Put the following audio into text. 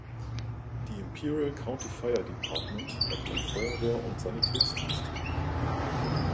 Die Imperial County Fire Department erbringt Feuerwehr- und Sanitätsdienste.